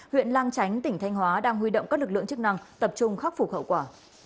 huyện lang chánh tỉnh thanh hóa đang huy động các lực lượng chức năng tập trung khắc phục hậu quả